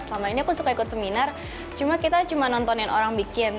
selama ini aku suka ikut seminar cuma kita cuma nontonin orang bikin